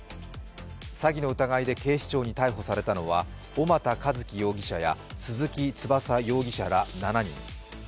詐欺の疑いで警視庁に逮捕されたのは小俣一毅容疑者や鈴木翼容疑者ら７人。